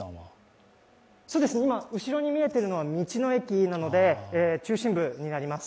今、後ろに見えているのは道の駅なので中心部になります。